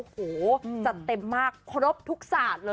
ที่จะเต็มมากทรับทุกศาสตร์